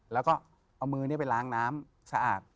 แล้วก็เอามือนี้ไปล้างน้ำสะอาด